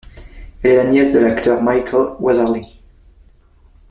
Elle est la nièce de l'acteur Michael Weatherly.